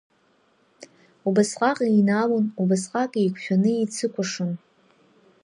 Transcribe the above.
Убасҟак еинаалан, убасҟак еиқәшәаны еицыкәашон.